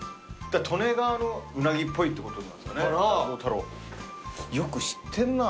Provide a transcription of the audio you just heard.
利根川のウナギっぽいってことなんですかね？かな？